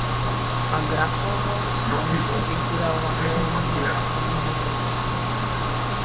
A grafovou s konfigurovatelnými grafovými vrstvami.